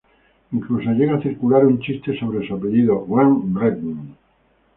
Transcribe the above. Incluso llega a circular un chiste sobre su apellido, "Ghem-bretten".